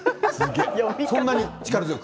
そんなに力強く？